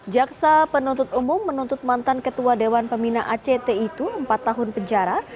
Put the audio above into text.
jaksa penuntut umum menuntut mantan ketua dewan pembina act itu empat tahun penjara